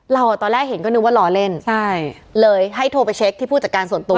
ตอนแรกเห็นก็นึกว่ารอเล่นใช่เลยให้โทรไปเช็คที่ผู้จัดการส่วนตัว